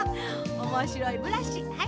おもしろいブラシ。